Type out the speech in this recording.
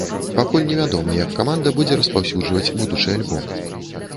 Пакуль невядома, як каманда будзе распаўсюджваць будучы альбом.